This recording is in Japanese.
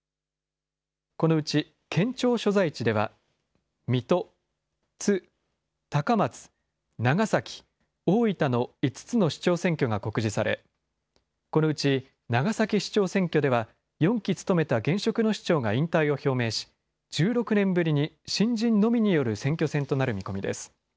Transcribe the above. このうち県庁所在地では、水戸、津、高松、長崎、大分の５つの市長選挙が告示され、このうち長崎市長選挙では、４期務めた現職の市長が引退を表明し、１６年ぶりに新人のみによる選挙戦となる見込みです。